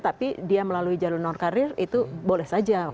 tapi dia melalui jalur non karir itu boleh saja